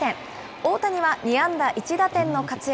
大谷は２安打１打点の活躍。